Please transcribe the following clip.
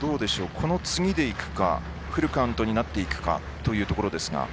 この次でいくのかフルカウントでいくかというところですが。